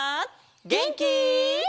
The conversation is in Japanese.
げんき？